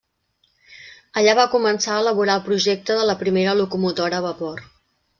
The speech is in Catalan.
Allà va començar a elaborar el projecte de la primera locomotora a vapor.